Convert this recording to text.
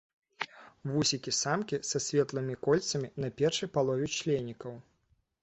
Вусікі самкі са светлымі кольцамі на першай палове членікаў.